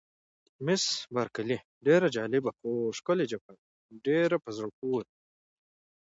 مس بارکلي: ډېره جالبه، خو ښکلې جبهه ده، ډېره په زړه پورې ده.